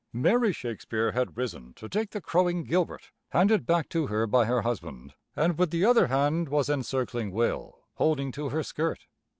Mary Shakespeare had risen to take the crowing Gilbert, handed back to her by her husband, and with the other hand was encircling Will, holding to her skirt.